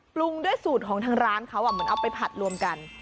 ปรุงด้วยสูตรของทางร้านเขาเหมือนเอาไปผัดรวมกัน